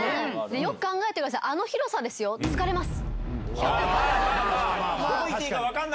よく考えてください、あの広さですよ、疲れます。